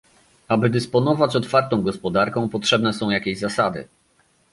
aby dysponować otwartą gospodarką, potrzebne są jakieś zasady